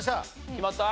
決まった？